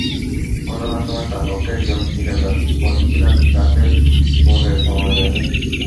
ঘটনার সময় তাঁর কক্ষে একজন ঠিকাদার বসে ছিলেন, যাঁকে পরে পাওয়া যায়নি।